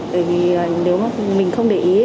bởi vì nếu mà mình không để ý